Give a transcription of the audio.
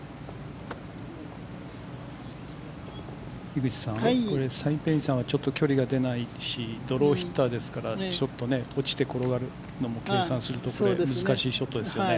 樋口さんこれ、サイ・ペイインさんはちょっと距離が出ないしドローヒッターですからショット落ちて転がるのも計算すると難しいショットですよね。